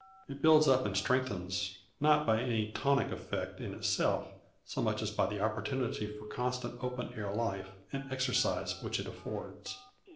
It builds up and strengthens, not by any tonic effect in itself so much as by the opportunity for constant open air life and exercise which it affords.